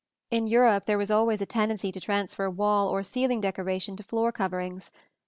In Europe there was always a tendency to transfer wall or ceiling decoration to floor coverings.